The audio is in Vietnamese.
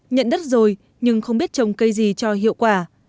nhận đất rồi nhưng không biết trồng cây gì cho hiệu quả